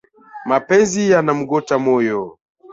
Mapenzi yanamgota moyo